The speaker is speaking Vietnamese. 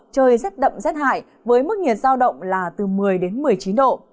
trời rét đậm rét hại với mức nhiệt giao động là từ một mươi đến một mươi chín độ